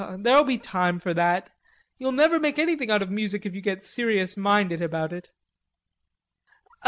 "There'll be time for that. You'll never make anything out of music if you get serious minded about it."